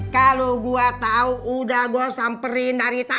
kalau gua tau udah beritanya mak aku mau balik ke tempat itu mak